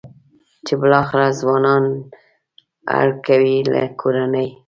چې بالاخره ځوانان اړ کوي له کورنۍ.